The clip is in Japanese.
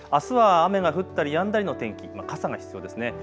あすは雨が降ったりやんだりの天気、傘が必要ですね。